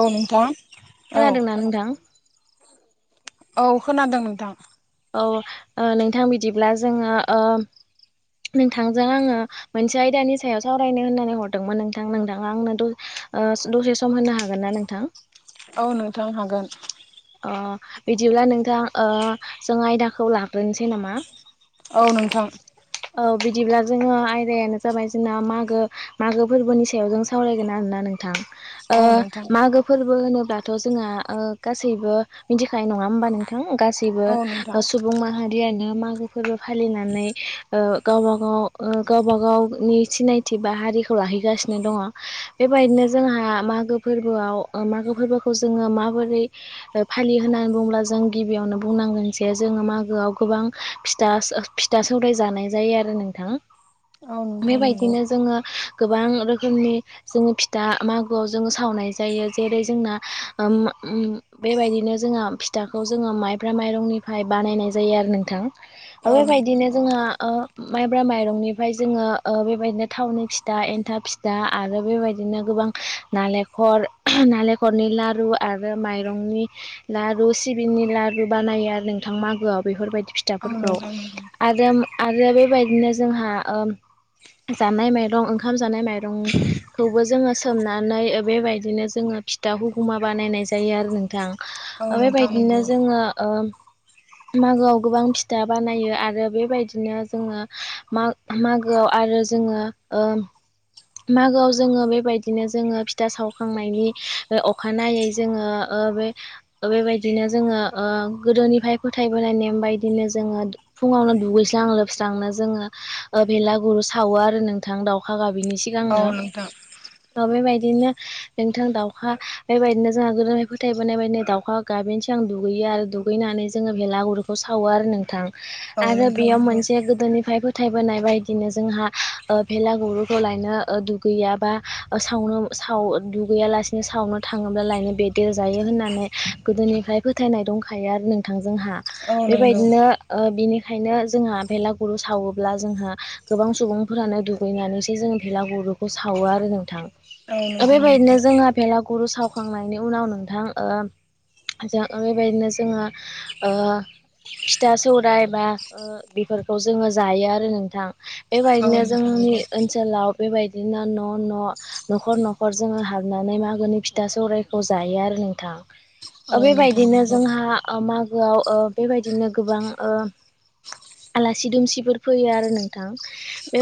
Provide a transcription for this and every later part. औ नोंथां। औ खोनादोंना नोंथां? औ खोनादों नोंथां। औ ओ नोंथां बिदिब्ला जोङो ओ नोंथांजों आङो मोनसे आयदानि सायाव सावरायनो होननानै हरदोंमोन नोंथां नोंथाङा आंनो द ओ दसे सम होनो हागोन ना नोंथां? औ नोंथां हागोन। अ बिदिब्ला नोंथां ओ जों आयदाखौ लाग्रोनोसै नामा? औ नोंथां। औ बिदिब्ला जोङो आयदायानो जाबाय जोंना मागो मागो फोरबोनि सायाव जों सावरायगोन आ रोना नोंथां ओ औ नोंथां मागो फोरबोहोनो होनोमब्लाथ' जोंहा ओ गासैबो मिथिखानाय नङा होमबा नोंथां। गासैबो औ नोंथां सुबुं माहारियानो मागो फोरबो फालिनानै ओ गावब गाव ओ गावब गावनि सिनायथि बा हारिखौ लाहैगासिनो दङ। बे बेबायदिनो जोंहा मागो फोरबोआव ओ मागो फोरबोखौ जोङो माबोरै फालिहोनांग बुब्ला जों गिबियावनो बुंनांगोन जे जोङो मागोआव गोबां फिथ फिथा सौराय जानाय जायो आरो नोंथाङा औ नोंथां नंगौ बेबायदिनो जोङो गोबां रोखोमनि जोङो फिथा मागोआव जोङो सावनाय जायो जेरै जोंना ओम मा उम बेबायदिनो जोंहा फिथाखौ जोङो माइब्रा माइरंनिफ्राय बानायनाय जायो आरो नोंथां। औ नोंथां बेबायदिनो जोंहा ओ माइब्रा माइरंनिफ्राय जोङो ओ बेबायदिनो थावनि फिथा एन्था फिथा आरो बेबायदिनो गोबां नालेंखर नालेंखरनि लारु आरो माइरंनि लारु। सिबिंनि लारु बानायो आरो नोंथां मागोआव बेफोरबायदि औ फिथाफोरखौ नोंथां नंगौ आरो आरो बेबायदिनो जोंहा ओम जानाय माइरं ओंखाम जानाय माइरंखौबो जोङो सोमनानै ओ बेबायदिनो जोङो फिथा हुगुमा बानायनाय जायो आरो नोंथां औ ओ नोंथां बेबायदिनो नंगौ जोङो ओ मागोआव गोबां फिथा बानायो आरो बेबायदि बिदिनो जोङो मा-मागोआव आरो जोङो ओ मागोआव जोङो बेबायदिनो जोङो फिथा सावखांनायनि ओ अखानायै जोङो ओ ओ बे बेबायदिनो जोङो ओ गोदोनिफ्राय फोथायबोनाय नेम बायदिनो जोङो फुङावनो दुगैस्रां लोबस्रांनो जोङो बेला गुरु सावो आरो नोंथां दाउखा गाबिनि औ सिगांनो नोंथां ओ बेबायद बिदिनो नोंथां दाउखा बेबायदिनो जोंहा गोदोनि फोथायबोनाय बायदिनो दाउखा गाबैनि सिगां दुगैयो। गाल दुगैनानै जोङो बेेलागुरुखौ सावो आरो नोंथां। औ आरो नोंथां बेयाव नंगौ मोनसे गोदोनिफ्राय फो फाथायबोनाय बायदिनो जोंहा ओ भेला गुरुखौ लायनो ओ दुगैयाबा ओसावनो साव दुगैयालासिनो सावनो थाङोब्ला लायनो बेदेर जायो। होननानै गोदोनिफ्राय फोथायनाय दंखायो आरो नोंथां जोहा। औ नंगौ बेबायदिनो ओ बिनि खायनो जोंहा बेलागुरु सावोब्ला जोंहा गोबां सुबुंफोरानो दुगैनानैसो जों भेलागुरखौ सावो आरो नोंथां औ ओ नोंथां नंगौ बेबायदिनो जोंहा फेलागुरसाव खांनायनि उनाव नोंथां ओ जोङो बेबायदिनो जोङो ओ फिथा सौराय बा ओ बेफोरखौ जोङो जायो आरो नोंथां। औ नोंथां नंगौ औ बेबायदिनो नोंथां जोंनि नंगौ ओनसोलाव बेबायदिनो न' न' न'खर न'खर जोङो हाबनानै मागोनि फिथा सौरायखौ जायो आरो। नोंथां औ नोंथां बेबायदिनो जोंहा ओ मा गोआव बेबायदिनो ओ गोबां ओ आलासि दुमसिफोर फैयो आरो नोंथां।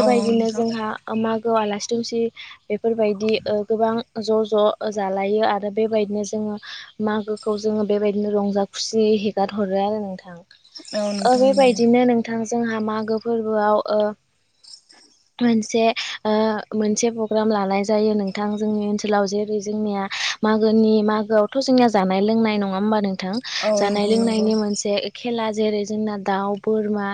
औ नोंथां जोंहा ओमाग गोआव आलासि दुमसि बेफोरबायदि ओ गोबां ज' ज' जालायो आरो बेबायदिनो जोङो। मागोखौ जोङो बेबायदिनो रंजा खुसियै हेगार हरो आरो नोंथां। ओ नंगौ बेबायदिनो नोंथां जोंहा मागो फोरबोआव ओ मोनसे। ओ मोनसे प्रग्राम लानाय जायो नोंथां जोंनि ओनसोलाव जेरै जोंनिया मागोनि मा मागोआवथ' जोंनि जानाय लोंनाय नङा होमबा नोंथां औ जानाय नोंथां नंगौ लोंनायनि मोनसे। खेला जेरै जोंना दाउ बोरमा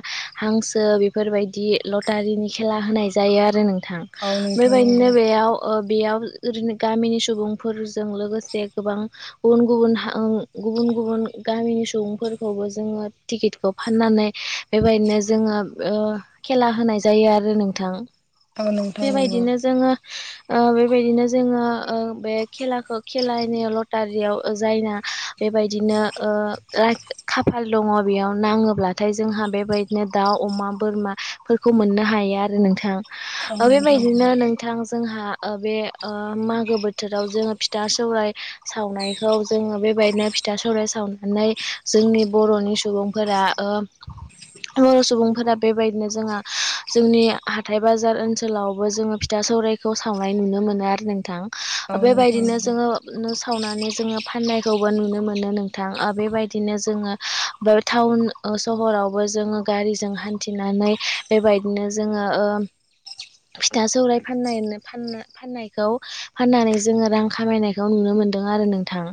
हांसो बेफोरबायदि लटारिनि खेला होनाय जायो आरो नोंथां औ नोंथां नंगौ औ नोंथां नंगौ बेबायदिनो बेयाव ओ बेयाव ओरैनो गामिनि सुबुंफोरजों लोगोसे गोबां गुबुन गुबुन ओं गुबुन गुबन गुबुन गामिनि सुबुंफोरखौबो जोङो टिकेटखौ फाननानै बेबायदिनो जोङो ओ ओ खेला होनाय जायो आरो नोंथां औ नोंथां नंगौ औ बेबायदिनो जोङो ओ बेबायदिनो जोङो ओ बे खेलाखौ खेलानि लटारियाव जायना बे बेबायदिनो ओ खाफाल दङ बेयाव नाङोब्लाथाय जोंहा बेबायदिनो दाउ अमा। अमा बोरमा फोरखौ मोननो हायो आरो नोंथां नोंथां ओ नंगौ बेबायदिनो नोंथां जोंहा ओ बे ओ मागो बोथोराव जोङो फिथा सौराय सावनायखौ जोङो बे बेबायदिनो फिथा सौराय सावनानै जोंनि बर'नि सुबुंफोरा बर' सुबुंफोरा बेबायदिनो जोंहा जोंनि हाथाइ बाजार ओनसोल ओनसोलावबो जोङो फिथा सौरायखौ सावनाय नुनो मोनो आरो नोंथां बेबायदिनो जोङो सावनानै जोङो फाननायखौबो नुनो मोनो नोंथां ओ बेबायदिनो जोङो टाउन सहरावबो जोङो गारिजों हान्थिनानै बेबायदिनो जोङो ओ फिथा सौराय फाननाय फाननायखौ फाननानै जोङो रां खामायनायखौ नुनो मोनो मोनदों आरो नोंथां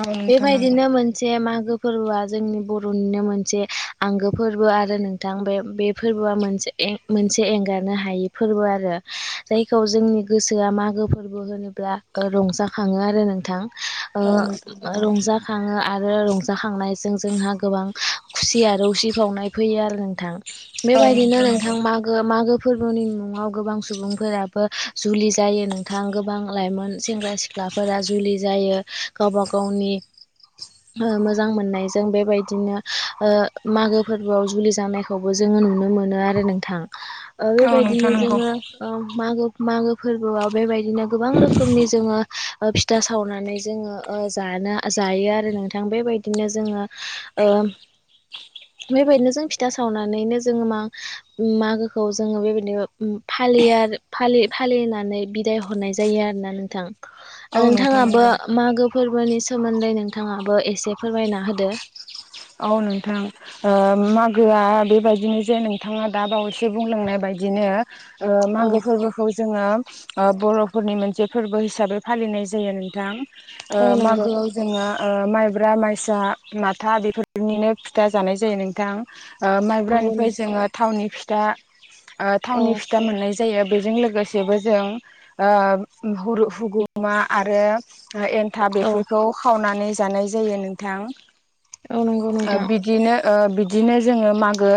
औ नोंथां नंगौ औ नोंथां नंगौ बेबादिनो मोनसे मागो फोरबोआ जोंनि बर'निनो मोनसे आंगो फोरबो आरो नोंथां बे बे फोरबोआ मोनसे मोनसे एंगारनो हायि फोरबो आरो जायखौ जोंनि गोसोआ मागो फोरबो होनोब्ला रंजाखाङो आरो नोंथां ओ रंजाखाङो थाङो आरो रंजाखांनायजों जोंहा गोबां खुसि आरो उसिफावनाय फैयो आरो नोंथां औ बेबायदिनो नंगौ नोंथां मागो मागो फोरबोनि मुं गोबां सुबुंफोराबो जुलि जायो नोंथां गोबां लाइमोन सेंग्रा सिख्लाफोरा जुलि। जायो गावबा गावनि। मोजां मोननाय जों बेबायदिनो ओ मागो फोरबोआव जुलि जानायखौबो जों जो नुनो मोनो आरो नोंथां ओ औ बेबायदिनो नोंथां नंगौ। जोङो मागो मागो फोरबोआव बेबायदिनो गोबां रोखोमनि जोङो फिथा सावनानै जोङो ओ जानो जायो आरो नोंथां बेबायदिनो जोङो ओ बेबायदिनो जों फिथा सावनानैनो जोङो मा मागोखौ जोङो बेबायदिनो फालि फालि फालिनानै बिदाय हरनाय जायो आरोना नोंथां औ नोंथां नोंथाङाबो नंगौ मागो फोरबोनि सोमोन्दै नोंथाङाबो एसे फोरमायना होदो औ नोंथां ओ मागोआ बेबायदिनो जे नोंथाङा दा बावैसो बुंलांनाय बादिनो ओ औ मागो फोरबोखौ जोङो ओ बर'फोरनि मोनसे फोरबो हिसाबै फालिनाय जायो नोंथां। ओ औ नंगौ मागोआव जोङो ओ माइब्रा माइसा माथा बेफोर बिनिनो फिथा जानाय जायो नोंथां ओ नंगौ माइब्रानिफ्राय नों जोङो थावनि फिथा ओ औ थावनि फिथा मोननाय जायो बेजों लोगोसेबो जों ओ हुरु हुगुमा आरो एन्थाब औ बेफोरखौ खावनानै जानाय जायो नोंथां। औ नंगौ ओ नोंथां। बिदिनो ओ बिदिनो जोङो मागो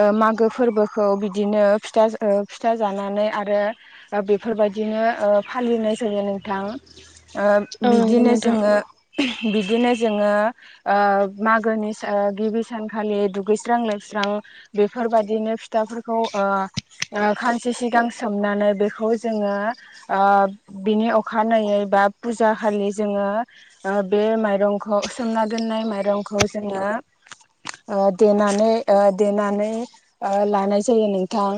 ओ मागो फोरबोखौ। इदिनो फिथ फिथा जानानै आरो बेफोरबायदिनो फालिनाय जोयो नों थां ओ औ नंगौ बिदिनो नोंथां जोङो बिदिनो जोङो मागोनि गिबि सानखालि दुगैस्रां लोबस्रां बेफोरबायाददिनो फिथाफोरखौ खानसे सिगां सोमनानै बेखौ जोङो बिनि अखा फानैै बा फुजा खालि जोङो बे माइरंखौ सोमना दोननाय माइरं खौ जोङो ओ देनानै ओ देनानै लानाय जायो नोंथां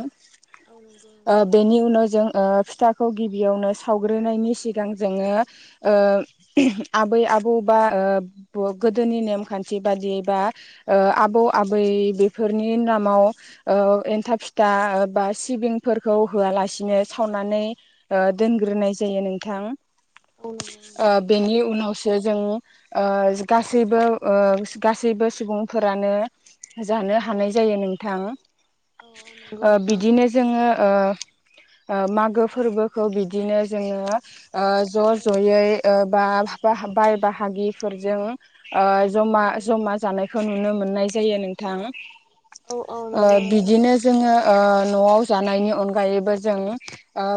औ नंगौ नोंथां ओ बेनि उनाव जों ओ फिथाखौ गिबियावनो सावग्रोनायनि सिगां जोङो आबै आबौ बा ओ गोदोनि नेमखान्थि थि बादियै बा आबौ आबै बेफोरनि नामाव एथा फिथा बा सिबिंफोरखौ होआलासिनो सावनानै ओ औ दोनग्रोनाय जायो नोंथां औ नंगौ ओ नोंथां बेनि उनाव सो जों ओ गासैबो ओ गासैबो सुबुंफोरानो जानो औ हानाय जायो नोंथां औ औ नंगौ ओ नोंथां बिदिनो जोङो ओ ओ मागो फोरबोखौ बिदिनो जोङो ओ औ ज' ज'यै ओ बा बा-बाय बाहागिफोरजों औ जमा नंगौ जमा नोंथां जानायखौ नुनो मोननाय जायो नोंथां औ औ ओ नंगौ नोंथां बिदिनो जोङो ओ न'आव जानायनि अनगायैबो जों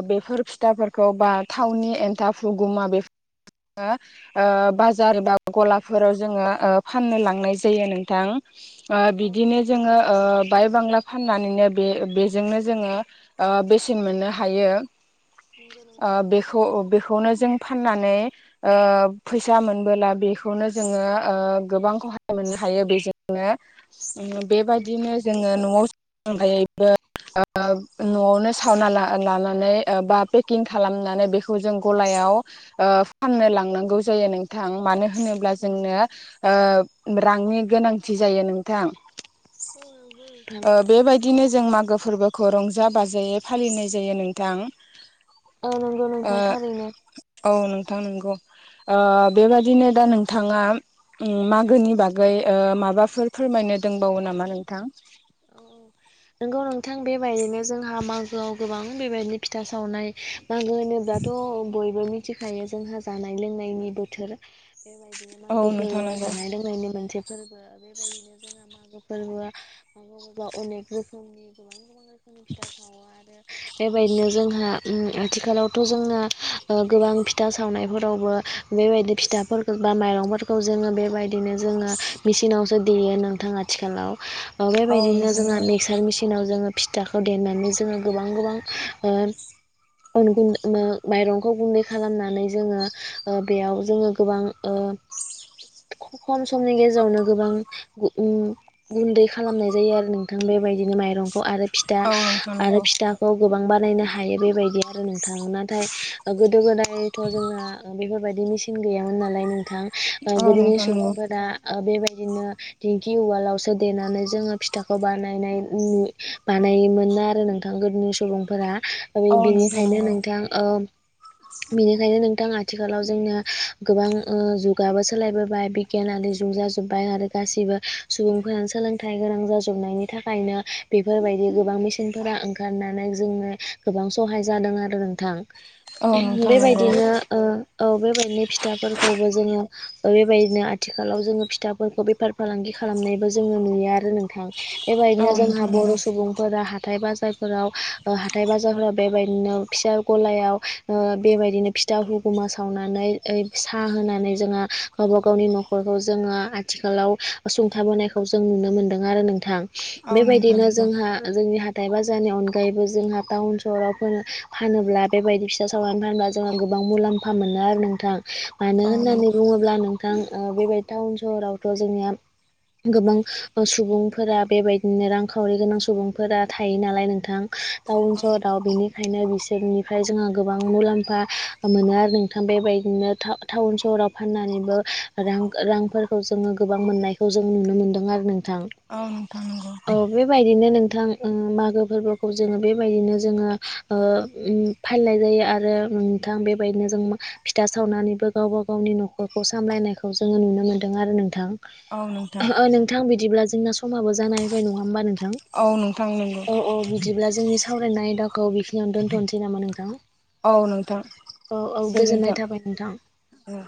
बेफोर फिथाफोरखौ बा थावनि एनथाब हुगुमा [unintelligible] ओ बाजार बा गलाफोराव जोङो ओ फाननो लांनाय जायो नोंथां ओ औ बिदिनो नंगौ जोङो नोंथां ओ बाय बांला फाननानैनो बे बेजोंनो जोङो ओ बेसेन मोननो हायो नंगौ ओ नोंथां बेखौ बेखौनो जों फाननानै फैसा ओ मोनबोला बेखौनो जोङो ओ गोबांखौहाय मोननो हायो बेजोंनो औ नंगौ नोंथां नंगौ औ नंगौ बेबायदिनो नोंथां जोङो न'आव [unintelligible] ओ न'आवनो सावना ला-लानानै ओ बा पेखिं खालामनानै बेखौ जों गलायाव ओ फाननो लांनांगौ जायो नोंथां मानो होनोब्ला जोंनो ओ रांनि गोनांथि जायो नोंथां औ नंगौ नोंथां बिदिनो जों मागो फोरबोखौ रंजा बाजायै फालिनाय जायो नोंथां औ नंगौ नोंथां ओ थारैनो औ नोंथां नंगौ ओ बेबाददिनो दा नोंथाङा उम मागोनि बागै ओ माबाफोर फोरमायनो दंबावो नामा नोंथां? औ नंगौ नोंथां बेबायदिनो जोंहा मागोआव गोबां बेबायदिनो फिथा सावनाय नांगौ होनोब्लाथ' बयबो मिथिखायो जोंहा जानाय लोंनायनि बोथोर बेबायदिनो औ मागो नोंथां फोरबोआ नंगौ जानाय लोंनायनि मोनसे फोरबो बेबायदिनो जोङहा मागो फोरबोआ मागो फोरबोआव अनेक रोखोमनि गोबां गोबां बेखनो फिथा सावो आरो बेबायदिनो जोंहा आथिखालावथ' जोंना गोबां फिथा सावनायफोरावबो बेबायदिनो फिथाफोरफोरखौ बा माइरं फोरखौ जोङो बेबायदिनो जोङो मेचिनावसो देयो नोंथां आथिखालाव औ बेबायदिनो नोंथां जोङो नंगौ मिक्सार मिेसिनाव जोङो फिथाखौ देनानै जोङो गोबां गोबां ओ अन गुन्दनो माइरंखौ गुन्दै खालामनानै जोङो ओ बेयाव जोङो गोबां ओ खम समनि गेजेरावनो गोबां गुनदै खालामनाय जायो आरो नोंथां बेबायदिनो माइरंखौ आरो फिथा औ नोंथां आरो नंगौ फिथाखौ गोबां बानायनो हायो बेबायदि आरो नोंथां नाथाय ओ गोदो गोदायथ' जोंना ओ बेफोर बायदि मिसिनगैयामोन नालाय नोंथां ओ औ गोदोनि नोंथां नंगौ सुबुंफोरा ओ बेबायदि बिदिनो दिंखि उवालावसो देनानै जोङो फिथाखौ बानायनाय बानायोमोन आरो नोंथां गोदोनि सुबुंफोरा औ नोंथां बिनिखायनो नंगौ नोंथां ओ बिनिखायनो नों थां आथिखालाव जोंनो गोबां ओ जुगाबो सोलायबोबाय बिगियानारि जुग जाजोब्बाय आरो गासिबो सुबुंफोरानो सोलों थाय गोनां जाजोबनायनि थाखायनो बेफोरबायदि गोबां मेसेनफोरा ओंखारनानै जोंनो गोबां गोबां सहाय जादों आरो नोंथां। औ नोंथां नंगौ बेबायदिनो ओ औ बेबायदिनो फिथाफोरखौबो जोङो ओ बेबायदिनो आथिखालाव जोङो फिथाफोरखौ बेफार फालांगि खालामनायबो जोङो नुयो। आरो नोंथां औ बेबायदिनो जोंहा नोंथां नंगौ बर' सुबुंफोरा हाथाय बाजारफोराव ओ हाथाय बाजारफोराव बेबायदिनो फिसा गलायाव ओ बेबायदिनो फि फिथा हुगुमा सावनानै ओ साहा होनानै जोङा गावबा गावनि न'खरखौ जोङा आथिखा थिखालाव असुंथाबोनायखौ जों नुनो मोनदों आरो नोंथां औ नोंथां बेबायदिनो नंगौ जोंहा जोंनि हा हाथाइ बाजारनि अनगायैबो जोंहा टाउन सहराव फ फानोब्ला बेबायदि फिथा सावनानै फानोब्ला जोंहा गोबां मुलाम्फा मोनो आरो नोंथां मानो औ नोंथां होननानै बुङोब्ला नोंथां ओ बेबायदि टाउन सहरावथ' जोंनिया गोबां ओ सुबुंफोरा बेबायदिनो रांखावरि गोनां सुबुंफोरा थायो नालाय नोंथां। टाउन सहराव बिनिखायनो बिस सोरनिफ्राय जोंहा गोबां मुलाम्फा मोनो आरो नोंथां बेबायदिनो टा-टाउन सहराव फाननानै नैनो रां रांफोरखौ जोङो गोबां मोननायखौ जों नुनो मोनदों आरो नों औ नोथां औ बेबायदिनो नोंथां ओ मागो फोरबोखौ जोङो बेबायदिनो जोङो ओ उम फालिनाय जायो आरो नोंथां बेबायदिनो जों फिथा सावनानैबो गावबा गावनि न'खरखौ सामलायनायखौ जोङो नुनो मोनदों आरो नोंथां। औ नोंथां ओ नोंथां बिदिब्ला जोंना समाबो जानाय फैबाय नङा होमबा नों थां नोंथां नंगौ औ औ बिदिब्ला जोंनि सावरायनाय आय दाखौ बेखिनियावनो दोनथ'नोसै नामा नोंथां? औ नोंथां औ औ गोजोननाय गोजोन्थों थाबाय नोंथां। औ